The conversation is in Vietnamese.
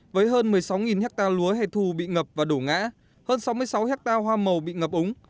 với hơn một mươi sáu hectare lúa hay thù bị ngập và đổ ngã hơn sáu mươi sáu hectare hoa màu bị ngập ống